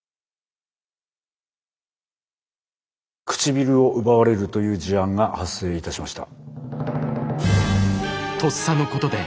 唇を奪われるという事案が発生いたしました。